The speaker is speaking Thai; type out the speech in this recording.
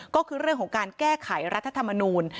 ก็คือเรื่องของการแก้ไขรัฐธรรมนูล